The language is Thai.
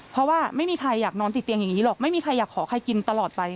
เพราะว่าไม่มีใครอยากนอนติดเตียงอย่างนี้หรอกไม่มีใครอยากขอใครกินตลอดไป